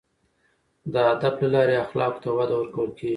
د ادب له لارې اخلاقو ته وده ورکول کیږي.